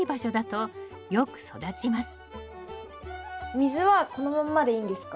水はこのまんまでいいんですか？